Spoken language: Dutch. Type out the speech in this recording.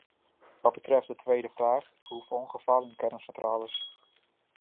Wat betreft de tweede vraag, hoeveel ongevallen in kerncentrales ...